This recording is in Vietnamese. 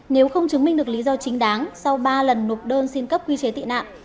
nếu không chứng minh được lý do chính đáng sau ba lần nộp đơn xin cấp quy chế tị nạn